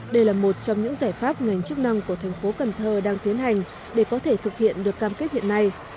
đây là một trong những giải pháp ngành chức năng của tp cn đang tiến hành để có thể thực hiện được cam kết hiện nay